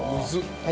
はい。